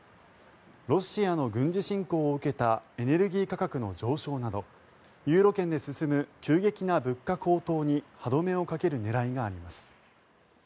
ロシアの軍事侵攻を受けたエネルギー価格の上昇などユーロ圏で進む急激な物価高騰に歯止めをかける狙いがあります。